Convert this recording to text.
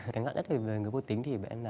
cái ngã nhất về người vô tính thì